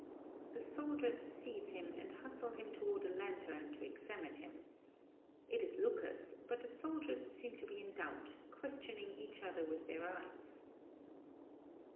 The soldiers seize him and hustle him toward a lantern to examine him. It is Lucas, but the soldiers seem to be in doubt, questioning each other with their eyes.